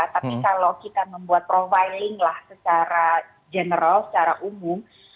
tapi kalau kita membuat profiling lah secara general secara umum